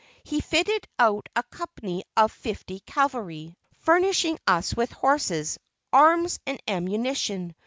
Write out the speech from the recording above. He fitted out a company of fifty cavalry, furnishing us with horses, arms and ammunition.